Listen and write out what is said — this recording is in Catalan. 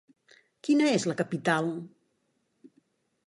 Quina és la capital?